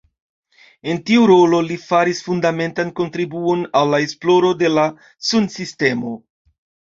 En tiu rolo li faris fundamentan kontribuon al la esploro de la sunsistemo.